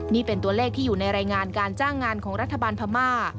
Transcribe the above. นี่เป็นตัวเลขที่อยู่ในรายงานการจ้างงานของรัฐบาลพม่า